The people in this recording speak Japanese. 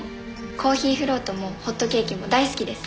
コーヒーフロートもホットケーキも大好きです。